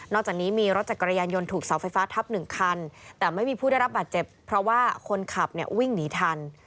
จากนี้มีรถจักรยานยนต์ถูกเสาไฟฟ้าทับหนึ่งคันแต่ไม่มีผู้ได้รับบาดเจ็บเพราะว่าคนขับเนี่ยวิ่งหนีทัน